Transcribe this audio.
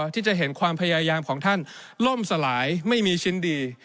ที่จะเห็นความพยายามของท่านล่มสลายไม่มีชิ้นดี